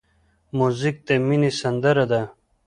موزیک د مینې سندره ده.